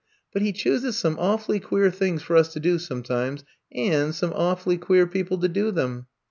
But He chooses some awfully queer things for us to do sometimes and some awfully queer people to do them."